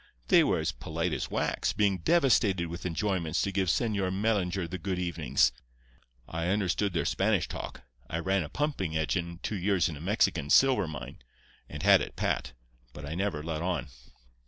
They were as polite as wax, being devastated with enjoyments to give Señor Mellinger the good evenings. I understood their Spanish talk—I ran a pumping engine two years in a Mexican silver mine, and had it pat—but I never let on.